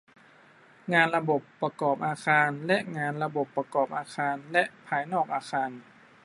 งานระบบประกอบอาคารและงานระบบประกอบอาคารและภายนอกอาคาร